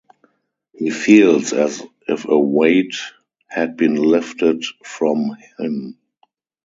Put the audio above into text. He feels as if a weight had been lifted from him.